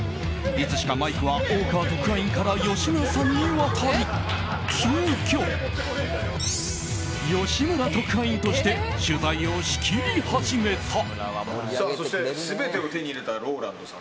いつしかマイクは大川特派員から吉村さんに渡り急きょ、吉村特派員として取材を仕切り始めた。